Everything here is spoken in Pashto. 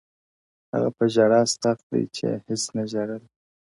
• هغه په ژړا ستغ دی چي يې هيڅ نه ژړل ـ